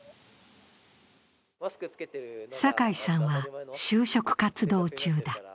酒井さんは就職活動中だ。